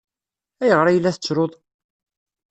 Ayɣer ay la tettruḍ?